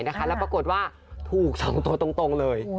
แล้วปรากฏว่าถูก๒ตัวตรงเลย